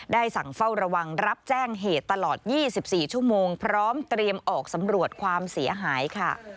สั่งเฝ้าระวังรับแจ้งเหตุตลอด๒๔ชั่วโมงพร้อมเตรียมออกสำรวจความเสียหายค่ะ